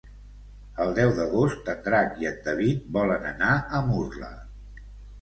El deu d'agost en Drac i en David volen anar a Murla.